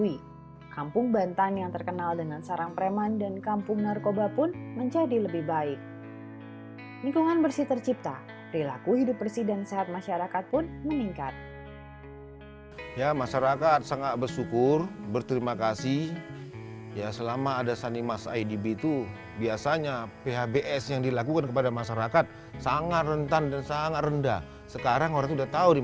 jangan hanya gara gara kalian bertiga warga di sini harus mengalah